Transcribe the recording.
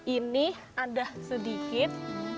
ini ada sedikit